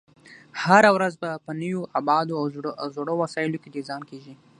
هره ورځ به په نویو ابعادو او زړو وسایلو کې ډیزاین کېږي.